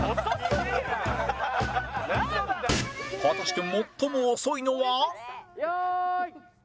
果たして最も遅いのは？用意。